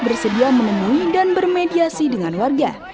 bersedia menemui dan bermediasi dengan warga